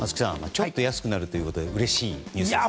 ちょっと安くなるということでうれしいニュースですね。